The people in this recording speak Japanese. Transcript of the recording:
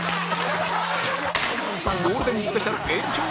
ゴールデンスペシャル延長戦